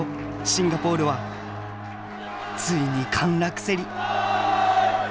シンガポールは遂に陥落せり」。